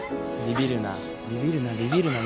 ビビるなビビるなビビるな。